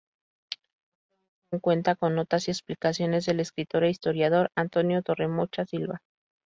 Esta edición cuenta con notas y explicaciones del escritor e historiador Antonio Torremocha Silva.